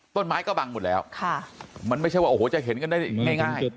ต้นไม้ก็บังหมดแล้วมันไม่ใช่ว่าโอ้โหจะเห็นกันได้ง่าย